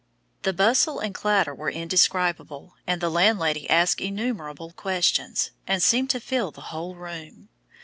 The bustle and clatter were indescribable, and the landlady asked innumerable questions, and seemed to fill the whole room.